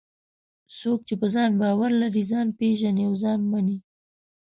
څوک چې په ځان باور لري، ځان پېژني او ځان مني.